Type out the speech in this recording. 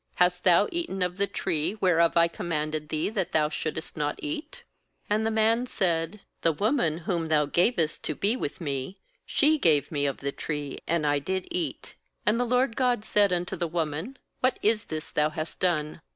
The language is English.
Hast thou eaten of the tree, whereof I commanded thee that thou shouldest not eat?' ^And the man said: 'The woman whom Thou gavest to be with me, she gave me of the tree, and I did eat/ "And the LORD God said unto the woman: What is this thou hast done?'